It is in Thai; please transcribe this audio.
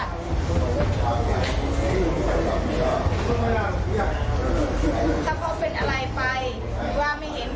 ถ้าพ่อเป็นอะไรไปหรือว่าไม่เห็นพ่อ